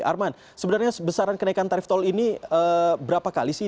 arman sebenarnya besaran kenaikan tarif tol ini berapa kali sih